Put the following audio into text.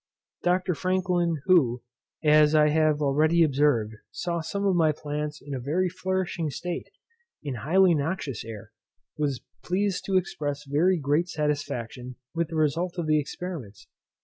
Dr. Franklin, who, as I have already observed, saw some of my plants in a very flourishing state, in highly noxious air, was pleased to express very great satisfaction with the result of the experiments.